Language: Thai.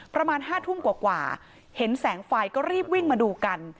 ประมาณ๕ทุ่มกว่าเห็นแสงไฟก็รีบวิ่งมาดูกัน